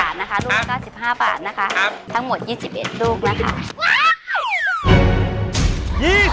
ทำไมแบบนี้